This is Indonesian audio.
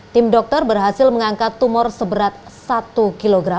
tim dokter berhasil mengangkat tumor seberat satu kg